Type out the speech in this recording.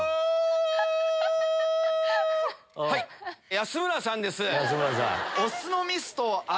安村さんです。